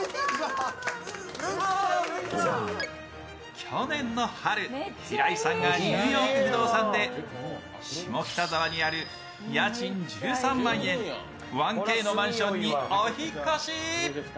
去年の春、平井さんが「ニューヨーク不動産」で下北沢にある家賃１３万円、１Ｋのマンションにお引っ越し。